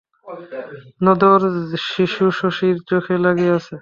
নধর শিশু শশীর চোখে লাগিয়াছে।